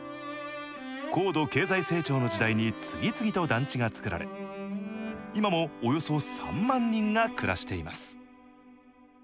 高度経済成長の時代に次々と団地がつくられ、今もおよそ３万人が暮らしています。